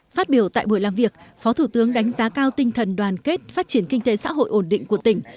phát biểu tại buổi làm việc phó thủ tướng đánh giá cao tinh thần đoàn kết phát triển kinh tế xã hội ổn định của tỉnh